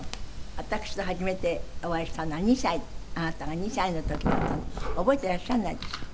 私と初めてお会いしたのは２歳あなたが２歳の時だったの覚えてらっしゃらないでしょ？